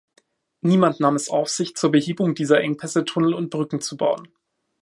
Niemand nahm es auf sich, zur Behebung dieser Engpässe Tunnel und Brücken zu bauen.